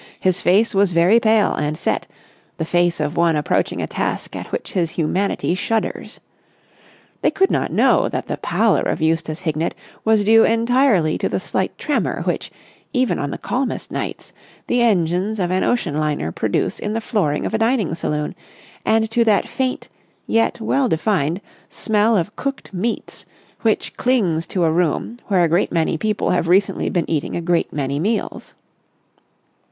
His face was very pale and set, the face of one approaching a task at which his humanity shudders. They could not know that the pallor of Eustace Hignett was due entirely to the slight tremor which, even on the calmest nights, the engines of an ocean liner produce in the flooring of a dining saloon, and to that faint, yet well defined, smell of cooked meats which clings to a room where a great many people have recently been eating a great many meals.